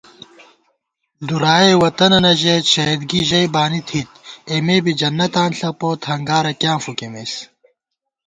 دُرائے ووطنَنہ ژېت، شہیدگی ژَئی بانی تھِت * اېمے بی جنّتاں ݪپوت، ہنگارہ کیاں فُوکِمېس